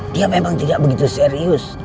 dia memang tidak begitu serius